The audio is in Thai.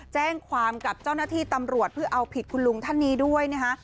แจ้งความกับเจ้าหน้าที่ตำรวจเพื่อเอาผิดคุณลุงท่านนี้ด้วยนะคะ